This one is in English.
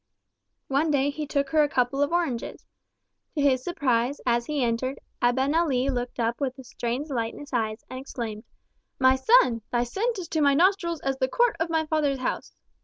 One day he took her a couple of oranges. To his surprise, as he entered, Abenali looked up with a strange light in his eyes, and exclaimed, "My son! thy scent is to my nostrils as the court of my father's house!"